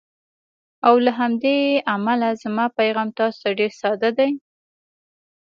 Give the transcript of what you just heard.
او له همدې امله زما پیغام تاسو ته ډېر ساده دی: